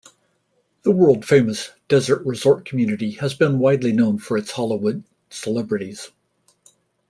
The world-famous desert resort community has been widely known for its Hollywood celebrities.